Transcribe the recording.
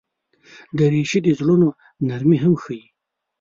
دریشي د زړونو نرمي هم ښيي.